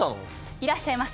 いらっしゃいませ！